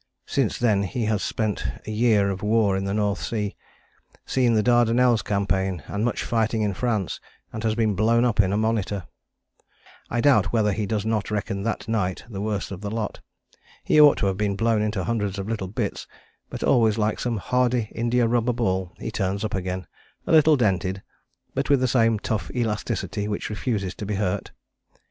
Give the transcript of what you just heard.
Since then he has spent a year of war in the North Sea, seen the Dardanelles campaign, and much fighting in France, and has been blown up in a monitor. I doubt whether he does not reckon that night the worst of the lot. He ought to have been blown into hundreds of little bits, but always like some hardy indiarubber ball he turns up again, a little dented, but with the same tough elasticity which refuses to be hurt.